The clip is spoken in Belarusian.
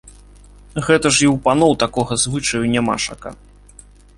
Гэта ж і ў паноў такога звычаю нямашака!